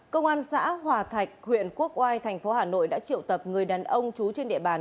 công an xã hòa thạch huyện quốc oai thành phố hà nội đã triệu tập người đàn ông trú trên địa bàn